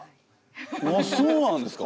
そうなんですか？